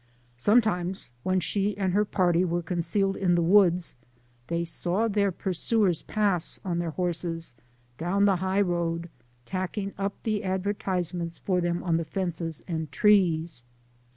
Sometimes, when she and her party were concealed in the woods, they saw their pursuers pass, on their horses, down the high road, tacking up the advertisements for them on the fences and trees.